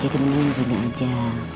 jadi mendingan gini aja